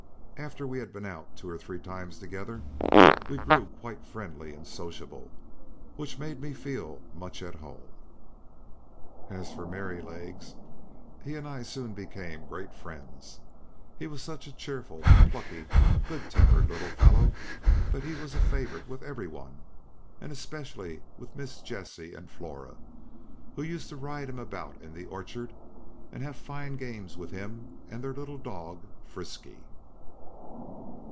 After we had been out two or three times together we grew quite friendly and sociable, which made me feel very much at home. As for Merrylegs, he and I soon became great friends; he was such a cheerful, plucky, good tempered little fellow, that he was a favorite with every one, and especially with Miss Jessie and Flora, who used to ride him about in the orchard, and have fine games with him and their little dog Frisky.